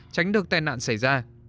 tránh được tai nạn xảy ra